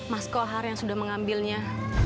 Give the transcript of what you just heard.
mas kohar yang sudah mengambilnya